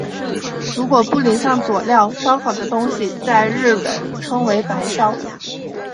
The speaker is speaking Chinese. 如果不淋上佐料烧烤的东西在日本称为白烧。